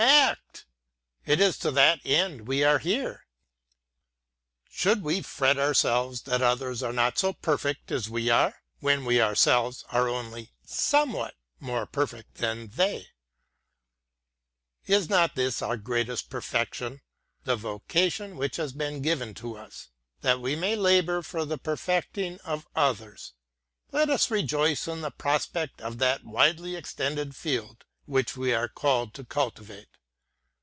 act !— it is to that end we are here. Should we fret ourselves 72 LECTURE v. thai others are not bo perfect as we are, when we ourselves are only somewhat more perfect than they 1 ? Is not this our greatest perfection, — the* vocation which has been given to OB, — thai we must labour for the perfecting of others'? Let us rejoice in the prospect of that widely extended field which we are called to cultivate!